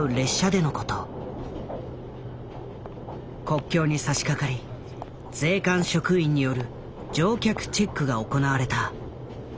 国境にさしかかり税関職員による乗客チェックが行われた。